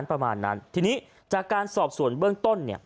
ประมาณนั้นทีนี้จากการสอบส่วนเบื้องต้นเนี่ย